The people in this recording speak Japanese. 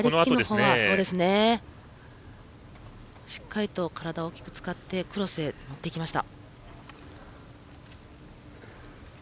しっかりと体を大きく使ってクロスへ持っていきました。